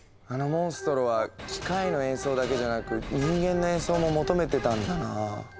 あのモンストロは機械の演奏だけじゃなく人間の演奏も求めてたんだなぁ。